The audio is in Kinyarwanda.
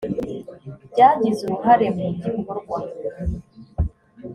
byagize uruhare mu gikorwa